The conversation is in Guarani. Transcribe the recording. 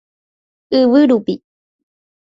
Yvy rupi.